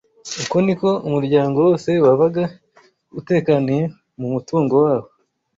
Uko ni ko umuryango wose wabaga utekaniye mu mutungo wawo